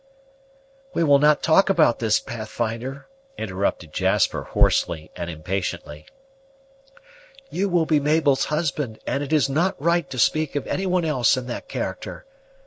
"We will not talk about this, Pathfinder," interrupted Jasper hoarsely and impatiently; "you will be Mabel's husband, and it is not right to speak of any one else in that character.